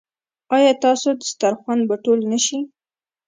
ایا ستاسو دسترخوان به ټول نه شي؟